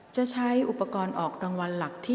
จะใช้อุปกรณ์ออกรางวัลหลักที่